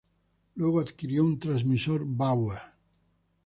Luego adquirió un transmisor Bauer.